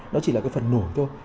nó chỉ là cái phần nổi thôi